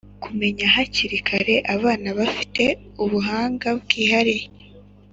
kumenya hakiri kare abana bafite ubuhanga bwihariye